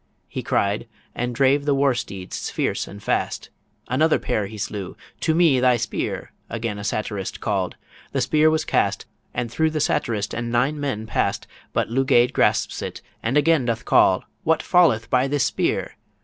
He cried, and drave the war steeds fierce and fast. Another pair he slew, "To me thy spear," Again a satirist call'd. The spear was cast, And through the satirist and nine men pass'd But Lugaid grasps it, and again doth call, "What falleth by this spear?"